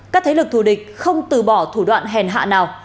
các thế lực thù địch không từ bỏ thủ đoạn hèn hạ nào